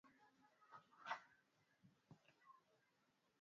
hadi thuluthi moja kati ya watatu ya kondoo na mbuzi wanaweza kupatwa na ugonjwa